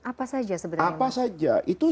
apa saja sebenarnya apa saja itu